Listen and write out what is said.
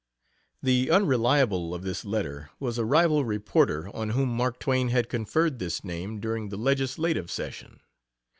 The "Unreliable" of this letter was a rival reporter on whom Mark Twain had conferred this name during the legislative session.